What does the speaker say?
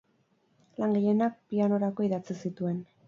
Lan gehienak pianorako idatzi zituen.